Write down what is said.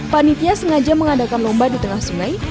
panitia sengaja mengadakan lomba di tengah sungai